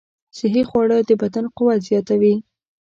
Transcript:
صحي خواړه د بدن قوت زیاتوي.